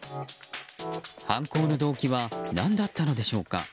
犯行の動機は何だったのでしょうか。